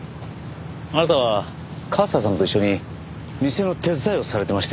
あなたは和沙さんと一緒に店の手伝いをされてましたよね。